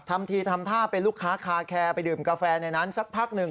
ทำทีทำท่าเป็นลูกค้าคาแคร์ไปดื่มกาแฟในนั้นสักพักหนึ่ง